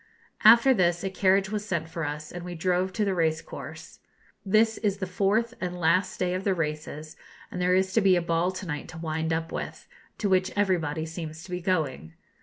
After this, a carriage was sent for us, and we drove to the race course. This is the fourth and last day of the races, and there is to be a ball to night to wind up with, to which everybody seems to be going.